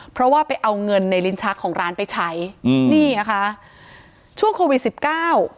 เพราะว่าไปเอาเงินในลิ้นชักของร้านไปใช้อืมนี่นะคะช่วงโควิดสิบเก้า